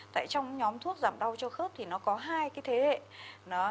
tại trong nhóm thuốc giảm đau cho khớp thì nó có hai cái thế hệ